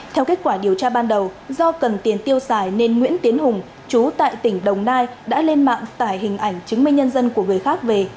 theo kết quả điều tra ban đầu do cần tiền tiêu xài nên nguyễn tiến hùng chú tại tỉnh đồng nai đã lên mạng tải hình ảnh chứng minh nhân dân của người khác về